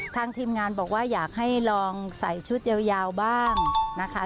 ทีมงานบอกว่าอยากให้ลองใส่ชุดยาวบ้างนะคะ